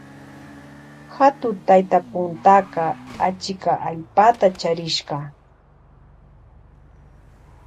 Hatu tayta puntaka achika allpata charishka.